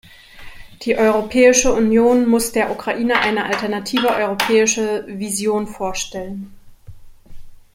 Die Europäische Union muss der Ukraine eine alternative europäische Vision vorstellen.